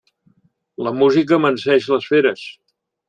La música amanseix les feres.